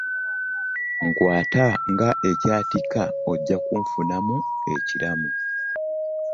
Nkwata ng'ekyatika ojja kunfunamu ekiramu.